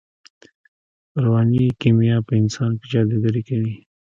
رواني کیمیا په انسان کې جادوګري کوي